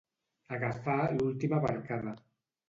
Agafar l'última barcada.